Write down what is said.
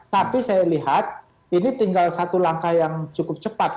tapi saya lihat ini tinggal satu langkah yang cukup cepat